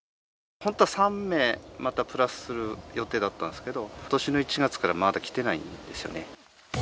本当は３名またプラスする予定だったんですけど、ことしの１月から、まだ来てないんですよね。